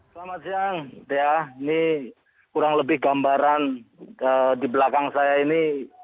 selamat siang dea ini kurang lebih gambaran di belakang saya ini